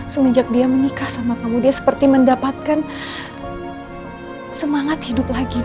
semenjak dia menikah sama kamu dia seperti mendapatkan semangat hidup lagi